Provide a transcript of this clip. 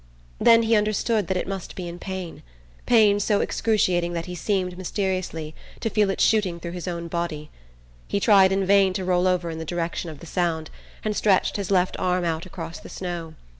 Then he understood that it must be in pain: pain so excruciating that he seemed, mysteriously, to feel it shooting through his own body. He tried in vain to roll over in the direction of the sound, and stretched his left arm out across the snow.